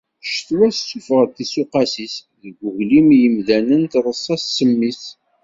Ccetwa tessuffeɣ-d tisuqas-is. Deg uglim n yemdanen treṣṣa ssem-is.